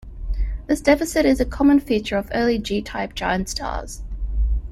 This deficit is a common feature of early G-type giant stars.